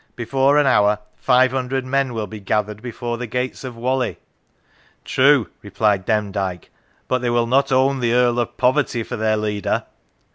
Before an hour five hundred men will be gathered before the gates of Whalley." " True," replied Demdike, " but they will not own the Earl of Poverty for their leader."